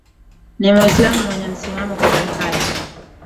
ni muislamu mwenye msimamo mkali